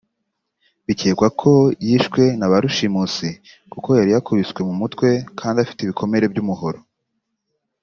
Bikekwa ko yishwe na ba rushimusi kuko yari yakubiswe mu mutwe kandi afite ibikomere by’umuhoro